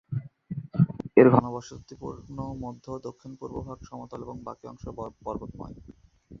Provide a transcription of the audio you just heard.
এর ঘনবসতিপূর্ণ মধ্য ও দক্ষিণ-পূর্ব ভাগ সমতল এবং বাকি অংশ পর্বতময়।